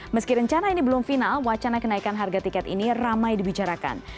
meski rencana ini belum final wacana kenaikan harga tiket ini ramai dibicarakan